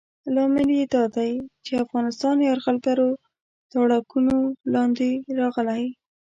لامل یې دا دی چې افغانستان یرغلګرو تاړاکونو لاندې راغلی.